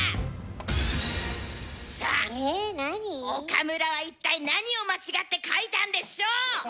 岡村は一体なにを間違って書いたんでしょう！